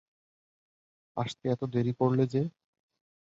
আসতে এত দেরি করলে যে?